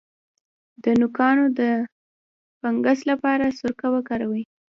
د نوکانو د فنګس لپاره سرکه وکاروئ